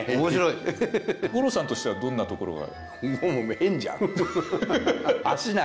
五郎さんとしてはどんなところが？